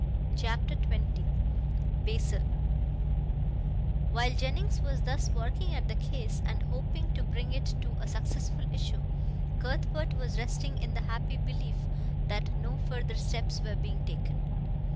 CHAPTER XX BASIL While Jennings was thus working at the case, and hoping to bring it to a successful issue, Cuthbert was resting in the happy belief that no further steps were being taken.